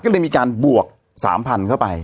ก็เลยมีการบวก๓๐๐เข้าไป